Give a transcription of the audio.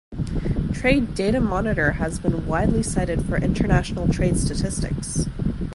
Trade Data Monitor has been widely cited for international trade statistics.